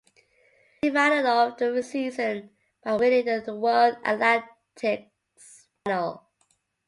She rounded off the season by winning the World Athletics Final.